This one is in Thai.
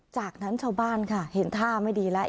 จากนั้นชาวบ้านค่ะเห็นท่าไม่ดีแล้ว